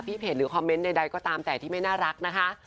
เพจหรือคอมเมนต์ใดก็ตามแต่ที่ไม่น่ารักนะคะ